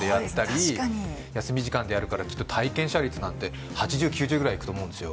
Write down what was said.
確かに休み時間でやるからきっと体験者率なんて８０９０ぐらいいくと思うんですよ